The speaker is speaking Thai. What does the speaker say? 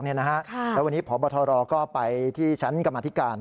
แล้ววันนี้พบทรก็ไปที่ชั้นกรรมธิการ